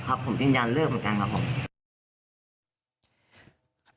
ผมยืนยันเลิกเหมือนกันครับผม